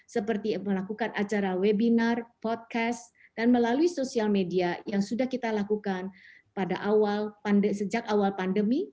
seperti melakukan acara webinar podcast dan melalui sosial media yang sudah kita lakukan pada awal sejak awal pandemi